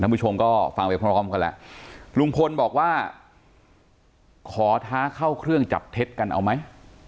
ผู้ชมก็ฟังไปพร้อมกันแล้วลุงพลบอกว่าขอท้าเข้าเครื่องจับเท็จกันเอาไหม